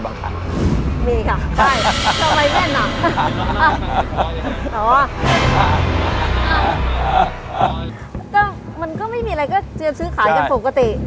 มันก็ไม่มีอะไรก็เตรียมซื้อขายกันปกติ